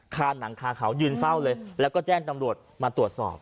หนังคาเขายืนเฝ้าเลยแล้วก็แจ้งตำรวจมาตรวจสอบ